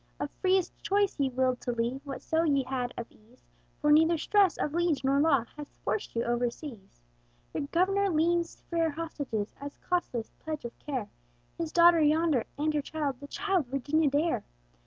"Of freest choice ye willed to leave What so ye had of ease; For neither stress of liege nor law Hath forced you over seas. "Your Governor leaves fair hostages As costliest pledge of care, His daughter yonder, and her child, The child Virginia Dare!